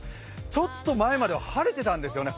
ちょっと前までは晴れていたんですよね。